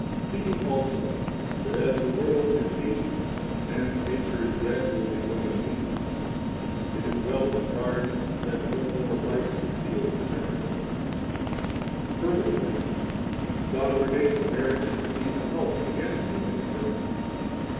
] 14 Seeing also that, as the world is aging, man's nature is gradually growing weaker, it is well to guard that no more vices steal into Germany. 15 Furthermore, God ordained marriage to be a help against human infirmity.